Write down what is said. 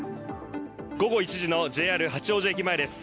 午後１時のＪＲ八王子駅前です。